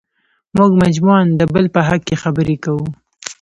موږ مجموعاً د بل په حق کې خبرې کوو.